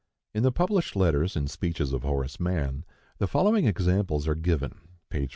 In the published letters and speeches of Horace Mann the following examples are given (p. 467).